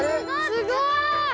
すごい！